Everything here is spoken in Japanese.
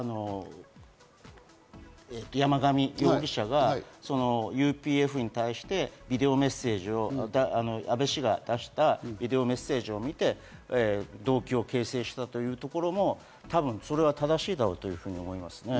山上容疑者がＵＰＦに対して、ビデオメッセージを安倍氏が出して、それを見て、動機を形成したというところも、多分それは正しいだろうと思いますね。